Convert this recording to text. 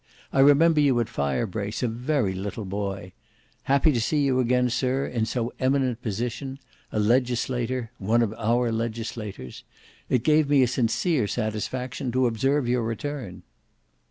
I remember you at Firebrace, a very little boy. Happy to see you again, Sir, in so eminent a position; a legislator—one of our legislators. It gave me a sincere satisfaction to observe your return."